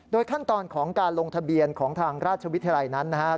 ขั้นตอนของการลงทะเบียนของทางราชวิทยาลัยนั้นนะครับ